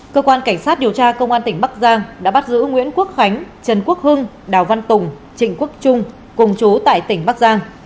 cơ quan cảnh sát điều tra công an tỉnh bắc giang đã bắt giữ nguyễn quốc khánh trần quốc hưng đào văn tùng trịnh quốc trung cùng chú tại tỉnh bắc giang